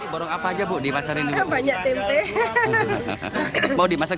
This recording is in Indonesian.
kofifa mencari jenis yang lebih mudah untuk dimasak